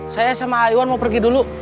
saya sama iwan mau pergi dulu